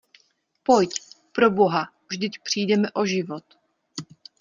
Pojď, pro Boha, vždyť přijdeme o život.